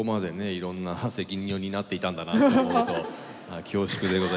いろんな責任を担っていたんだなと思うと恐縮でございますけれども。